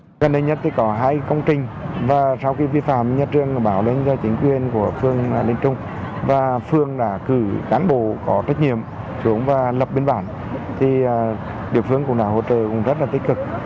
trường đại học nông lâm tp hcm có hai công trình và sau khi vi phạm nhà trường báo lên cho chính quyền của phương đại học nông lâm tp hcm và phương đã cử cán bộ có trách nhiệm xuống và lập biên bản thì địa phương cũng đã hỗ trợ rất là tích cực